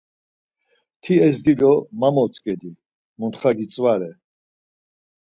Ti ezdi do ma motzǩedi, mutxa gitzvare.